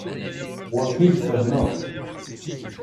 Waqil fehmeɣ.